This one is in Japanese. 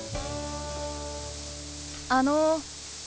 あの。